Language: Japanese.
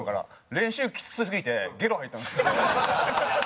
練習きつすぎてゲロ吐いたんですよ。